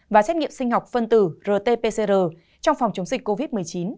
và xét nghiệm sinh học phân tử rt pcr trong phòng chống dịch covid một mươi chín